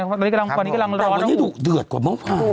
วันนี้กำลังร้อนแล้วแต่วันนี้ดูเดือดกว่าเมื่อวาน